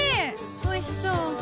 おいしそう。